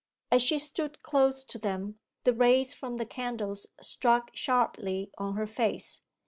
As she stood close to them the rays from the candles struck sharply on her face.